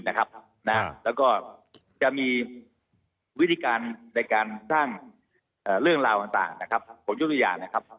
และจะมีวิธีการในการสร้างเรื่องราวต่างของยุธยา